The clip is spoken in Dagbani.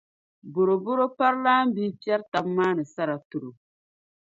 bɔrɔbɔro parilaambihi piɛri tab’ maani sara tiri o.